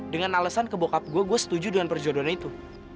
dengan alasan ke bokap gue gue setuju dengan perjodohan itu